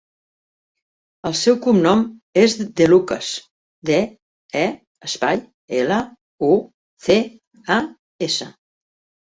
El seu cognom és De Lucas: de, e, espai, ela, u, ce, a, essa.